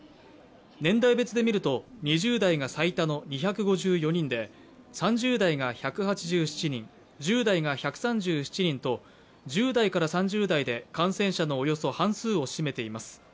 年代別で見ると２０代が最多の２５４人で、３０代が１８７人、１０代が１３７人と１０代から３０代で感染者のおよそ半数を占めています。